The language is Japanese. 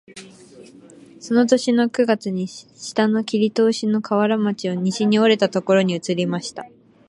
その年の九月に下の切り通しの河原町を西に折れたところに移りました